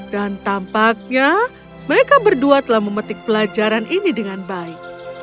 dan tampaknya mereka berdua telah memetik pelajaran ini dengan baik